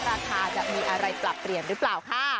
ราคาจะมีอะไรปรับเปลี่ยนหรือเปล่าค่ะ